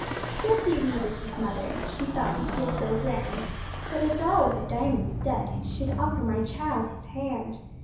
Sophie Read is his mother; she thought we'd feel so grand That a doll with a diamond stud should offer my child his hand.